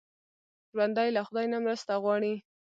ژوندي له خدای نه مرسته غواړي